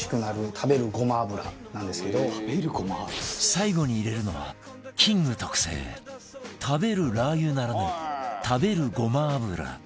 最後に入れるのはキング特製食べるラー油ならぬ食べるゴマ油